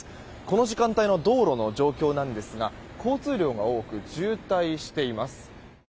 この時間帯の道路の状況ですが交通量が多く、渋滞しています。